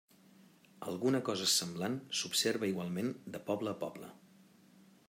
Alguna cosa semblant s'observa igualment de poble a poble.